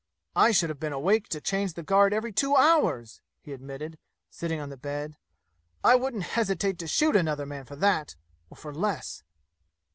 "I should have been awake to change the guard every two hours!" he admitted, sitting on the bed. "I wouldn't hesitate to shoot another man for that or for less!"